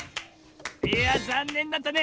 いやざんねんだったね。